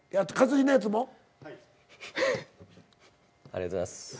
ありがとうございます。